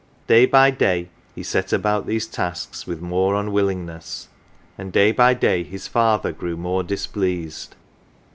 Day by day he set about these tasks with more unwillingness, and day by day his father grew more displeased.